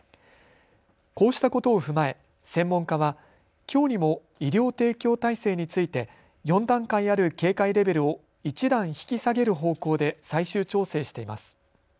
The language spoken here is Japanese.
こうしたことを踏まえ専門家はきょうにも医療提供体制について４段階ある警戒レベルを１段引き下げる方向で最終調整しています。